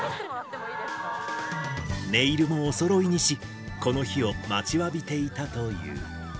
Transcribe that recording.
ネイルもおそろいにし、この日を待ちわびていたという。